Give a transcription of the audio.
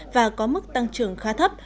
và có mức tăng trưởng khá thấp